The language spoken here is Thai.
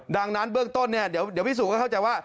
ดังนั้นเบื้องต้นเนี่ยเดี๋ยวพิสูจนก็เข้าใจว่า